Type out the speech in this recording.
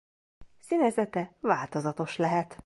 Színezete változatos lehet.